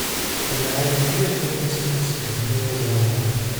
D lεali mliḥ w' ismuzegten i uẓawan.